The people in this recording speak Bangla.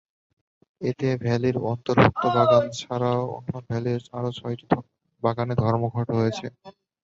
এতে ভ্যালির অন্তর্ভুক্ত বাগান ছাড়াও অন্য ভ্যালির আরও ছয়টি বাগানে ধর্মঘট হয়েছে।